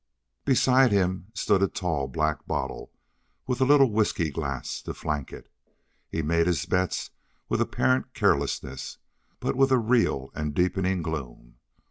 Beside him stood a tall, black bottle with a little whisky glass to flank it. He made his bets with apparent carelessness, but with a real and deepening gloom.